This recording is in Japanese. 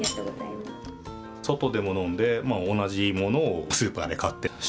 外でも飲んで、同じものをスーパーで買って。